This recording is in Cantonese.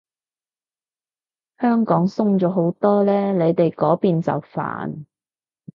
香港鬆咗好多嘞，你哋嗰邊就煩